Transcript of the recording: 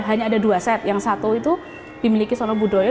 hanya ada dua set yang satu itu dimiliki sonobudoyo